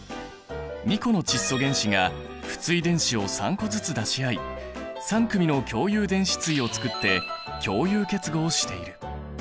２個の窒素原子が不対電子を３個ずつ出し合い３組の共有電子対をつくって共有結合している。